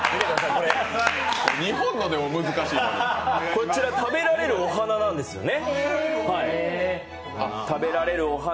こちら、食べられるお花ですね。